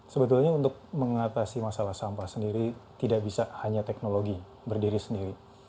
sebetulnya untuk mengatasi masalah sampah sendiri tidak bisa hanya teknologi berdiri sendiri